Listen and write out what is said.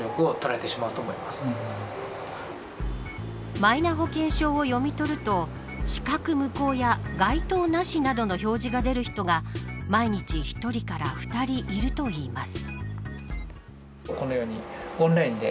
マイナ保険証を読み取ると資格無効や該当なしなどの表示が出る人が毎日１人から２人いるといいます。